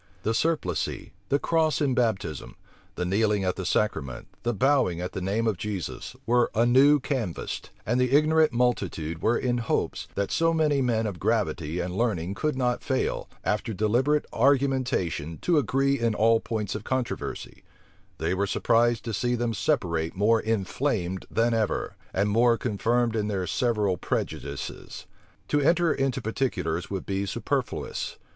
The surplice, the cross in baptism, the kneeling at the sacrament, the bowing at the name of Jesus, were anew canvassed; and the ignorant multitude were in hopes, that so many men of gravity and learning could not fail, after deliberate argumentation, to agree in all points of controversy: they were surprised to see them separate more inflamed than ever, and more confirmed in their several prejudices. To enter into particulars would be superfluous.